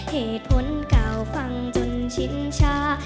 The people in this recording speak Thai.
เหตุผลเก่าฟังจนชินช้า